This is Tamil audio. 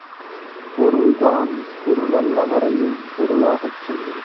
பொருள்தான் பொருளல்லவரையும் பொருளாகச் செய்யும்.